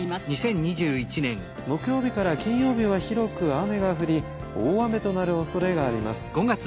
「木曜日から金曜日は広く雨が降り大雨となるおそれがあります」。